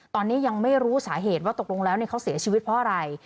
ตอนนี้ยังไม่รู้สาเหตุว่าตกลงแล้วเขาเสียชีวิตเพราะอะไร